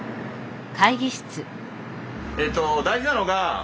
えっと大事なのが。